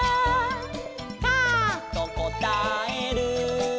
「カァとこたえる」